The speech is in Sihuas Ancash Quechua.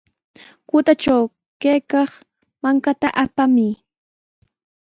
Kutatraw kaykaq mankata apamuy.